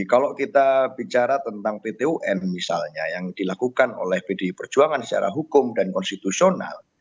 kalau kita bicara tentang pt un misalnya yang dilakukan oleh pdi perjuangan secara hukum dan konstitusional